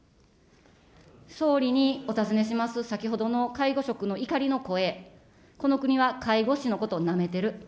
総理にお尋ねします、先ほどの介護職の怒りの声、この国は介護士のことをなめてる。